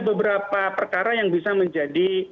beberapa perkara yang bisa menjadi